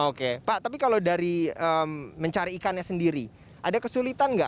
oke pak tapi kalau dari mencari ikannya sendiri ada kesulitan nggak